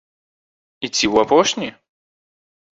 І ці ў апошні?